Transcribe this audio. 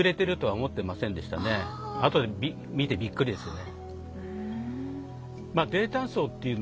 後で見てびっくりですよね。